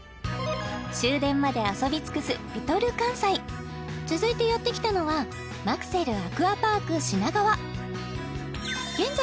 終電まで遊び尽くすＬｉｌかんさい続いてやって来たのはマクセルアクアパーク品川現在